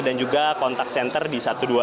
dan juga kontak senter di satu ratus dua puluh satu